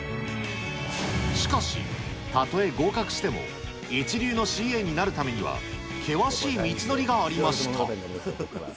しかし、たとえ合格しても、一流のＣＡになるためには、険しい道のりがありました。